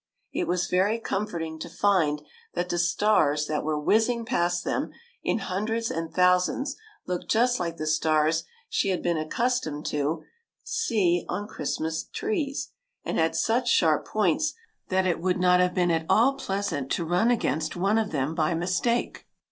It was very com forting to find that the stars that were whizz ing past them in hundreds and thousands looked just like the stars she had been accus i8o THE KITE THAT tomed to see on Christmas trees, and had such sharp points that it would not have been at all pleasant to run against one of them by mis take.